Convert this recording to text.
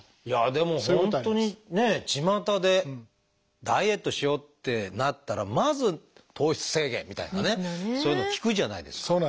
いやあでも本当にねちまたでダイエットしようってなったらまず糖質制限みたいなねそういうの聞くじゃないですか。